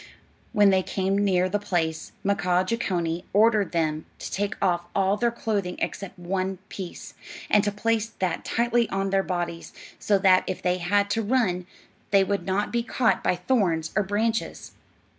When they came near the place, Mkaaah Jeechonee ordered them to take off all their clothing except one piece, and to place that tightly on their bodies, so that if they had to run they would not be caught by thorns or branches.